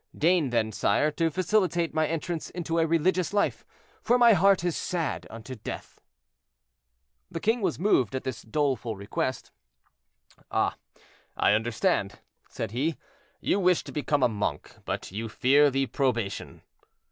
Deign then, sire, to facilitate my entrance into a religious life, for my heart is sad unto death." The king was moved at this doleful request. "Ah! I understand," said he; "you wish to become a monk, but you fear the probation."